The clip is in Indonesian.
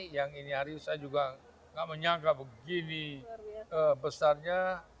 yang ini hari saya juga gak menyangka begini besarnya